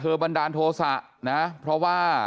สวัสดีครับคุณผู้ชาย